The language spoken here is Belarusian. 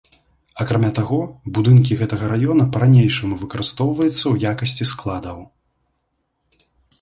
Акрамя таго, будынкі гэтага раёна па-ранейшаму выкарыстоўваюцца ў якасці складаў.